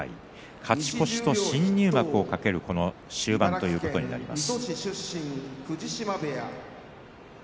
勝ち越しと新入幕を懸けるこの終盤ということになります。